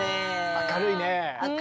明るいね。